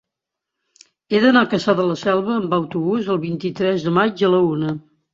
He d'anar a Cassà de la Selva amb autobús el vint-i-tres de maig a la una.